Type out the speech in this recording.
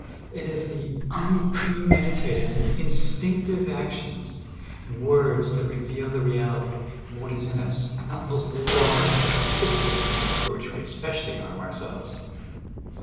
It is the unpremeditated and instinctive ac tions and words that reveal the reality of what is in us, and not those large, conspicuous things for which we especialbr arm ourselves.